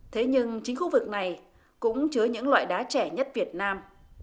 thế nhưng chính khu vực này cũng chứa những loại đá trẻ nhất việt nam